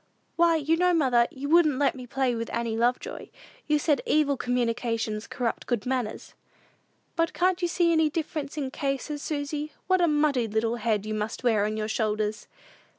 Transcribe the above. "Why, you know, mother, you wouldn't let me play with Annie Lovejoy. You said, 'evil communications corrupted good manners.'" "But can't you see any difference in the cases, Susy? What a muddy little head you must wear on your shoulders!"